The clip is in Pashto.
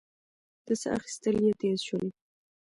د سا اخېستل يې تېز شول.